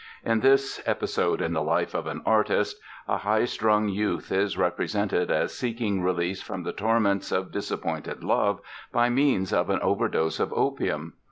In this "Episode in the Life of an Artist" a high strung youth is represented as seeking release from the torments of disappointed love by means of an overdose of opium.